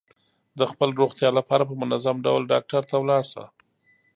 د خپل روغتیا لپاره په منظم ډول ډاکټر ته لاړ شه.